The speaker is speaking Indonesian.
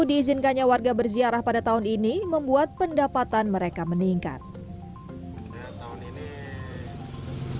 diizinkannya warga berziarah pada tahun ini membuat pendapatan mereka meningkat